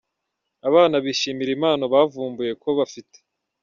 Abana bishimira impano bavumbuye ko bafite.